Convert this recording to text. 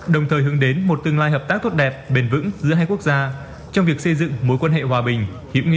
đồng thời hướng đến một tương lai hợp tác tốt đẹp bền vững giữa hai quốc gia trong việc xây dựng mối quan hệ hòa bình hiệp